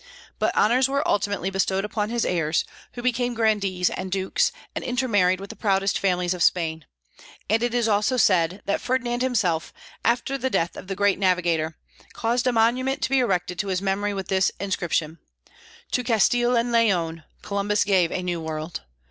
But honors were ultimately bestowed upon his heirs, who became grandees and dukes, and intermarried with the proudest families of Spain; and it is also said that Ferdinand himself, after the death of the great navigator, caused a monument to be erected to his memory with this inscription: "To Castile and Leon Columbus gave a new world."